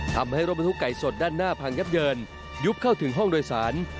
ทำให้รถบรรทุกไก่สดด้านหน้าพังยับเยินยุบเข้าถึงห้องโดยสาร